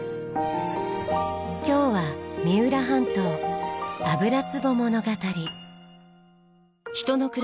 今日は三浦半島油壺物語。